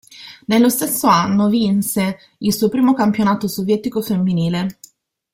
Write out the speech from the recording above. Nello stesso anno vinse il suo primo campionato sovietico femminile.